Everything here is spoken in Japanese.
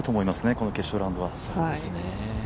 この決勝ラウンドは。